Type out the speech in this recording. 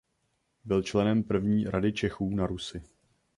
Byl členem první „Rady Čechů“ na Rusi.